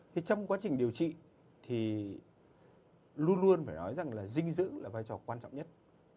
thì trong quá trình điều trị thì luôn luôn phải nói rằng là dinh dưỡng là vai trò quan trọng nhất